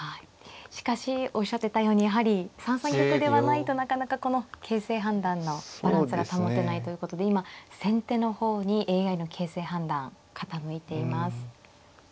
しかしおっしゃってたようにやはり３三玉ではないとなかなかこの形勢判断のバランスが保てないということで今先手の方にＡＩの形勢判断傾いています。